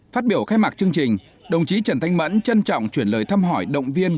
phát biểu khai mạc chương trình đồng chí trần thanh mẫn trân trọng chuyển lời thăm hỏi động viên